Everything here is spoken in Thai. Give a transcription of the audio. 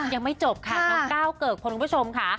ยังไม่จบค่ะน้องก้าวเกิกคนคุณผู้ชมค่ะ